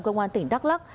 cơ quan tỉnh đắk lóc